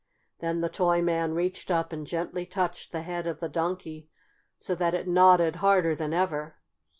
Then the toy man reached up and gently touched the head of the Donkey, so that it nodded harder than ever.